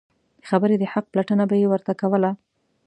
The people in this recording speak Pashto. د خبرې د حق پلټنه به یې ورته کوله.